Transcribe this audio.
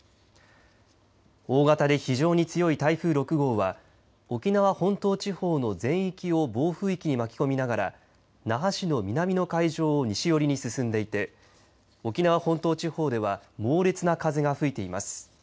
大型で非常に強い台風６号は沖縄本島地方の全域を暴風域に巻き込みながら那覇市の南の海上を西寄りに進んでいて沖縄本島地方では猛烈な風が吹いています。